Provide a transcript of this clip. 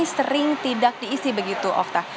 sering tidak diisi begitu okta